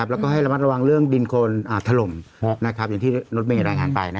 แล้วก็ให้ระมัดระวังเรื่องดินโคนถล่มอย่างที่รถเมย์รายงานไป